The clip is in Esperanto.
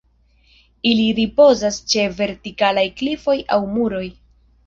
Ili ripozas ĉe vertikalaj klifoj aŭ muroj.